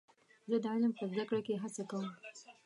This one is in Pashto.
زه د علم په زده کړه کې هڅه کوم.